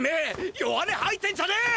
弱音吐いてンじゃね！